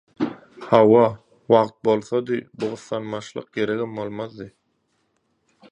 - Hawa. Wagt bolsady bu gyssanmaçlyk geregem bolmazdy...